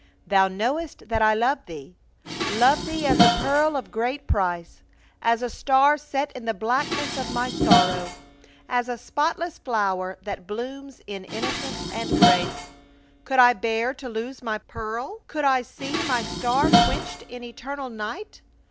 Thou knowest that I love thee — love thee as a pearl of great price, as a star set in the blackness of my sorrow, as a spotless flower that blooms in innocence and grace. Could I bear to lose my pearl ? Could I see my star quenched in eternal night?